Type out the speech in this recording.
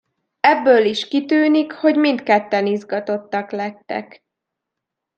Ebből is kitűnik, hogy mindketten izgatottak lettek.